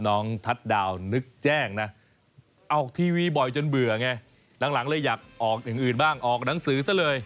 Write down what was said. ทัศน์ดาวนึกแจ้งนะออกทีวีบ่อยจนเบื่อไงหลังเลยอยากออกอย่างอื่นบ้างออกหนังสือซะเลย